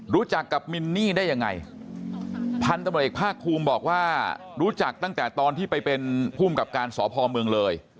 รู้จักกับมินนี่ได้ยังไงพันธุ์ตำรวจเอกภาคภูมิบอกว่ารู้จักตั้งแต่ตอนที่ไปเป็นภูมิกับการสพเมืองเลย